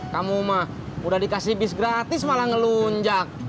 kamu mah udah dikasih bis gratis malah ngelunjak